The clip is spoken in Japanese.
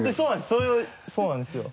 そうなんですよ。